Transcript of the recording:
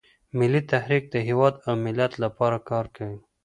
ملي تحریک د هیواد او ملت لپاره کار کوي